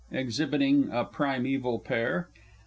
[_Exhibiting a primæval pair.